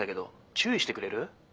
☎注意してくれる？